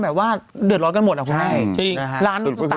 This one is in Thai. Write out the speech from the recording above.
ทุกคนเดือดรอดกันหมดเลยคุณแม่